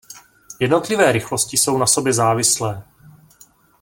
Jednotlivé rychlosti jsou na sobě závislé.